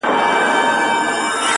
څوک نیژدې نه راښکاریږي-